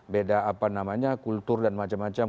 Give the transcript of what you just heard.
beda apa namanya kultur dan macam macam